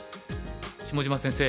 下島先生